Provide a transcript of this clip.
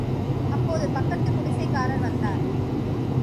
அப்போது பக்கத்துக் குடிசைக்காரர் வந்தார்.